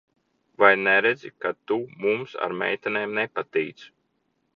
Vai neredzi, ka tu mums ar meitenēm nepatīc?